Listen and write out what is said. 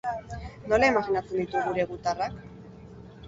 Nola imaginatzen ditu gure gutarrak?